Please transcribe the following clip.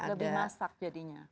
lebih masak jadinya